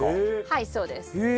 はいそうです。へえ。